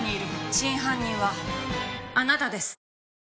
真犯人はあなたです！